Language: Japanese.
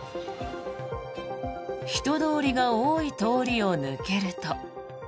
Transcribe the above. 人通りが多い通りを抜けると。